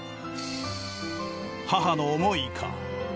母の思いか